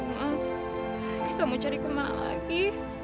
mas kita mau cari kemana lagi